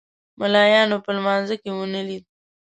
ملایانو په لمانځه کې ونه لید.